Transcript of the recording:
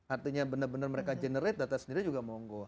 artinya benar benar mereka generate data sendiri juga monggo